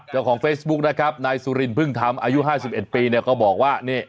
เจ้าของเฟซบุ๊กนะครับนายสุรินพึ่งธรรมอายุ๕๑ปีเนี่ยก็บอกว่านี่